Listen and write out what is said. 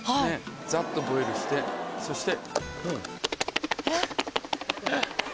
ザッとボイルしてそして。